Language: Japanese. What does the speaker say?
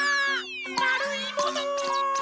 まるいもの！